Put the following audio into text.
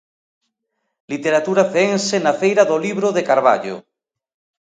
Literatura ceense na feira do libro de Carballo.